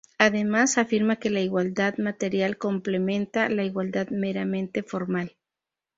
Además, afirma que la igualdad material complementa la igualdad meramente formal.